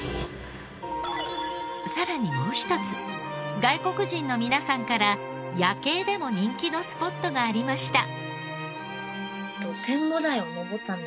さらにもう一つ外国人の皆さんから夜景でも人気のスポットがありました。